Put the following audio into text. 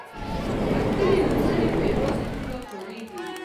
غښتلي نومځري په یوازې توګه کاریږي.